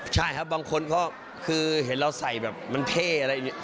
ใช่ครับบางคนก็คือเห็นเราใส่แบบมันเท่อะไรอย่างนี้